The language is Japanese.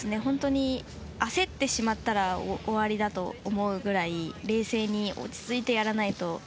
焦ってしまったら終わりだと思うぐらい冷静に落ち着いてやらないと。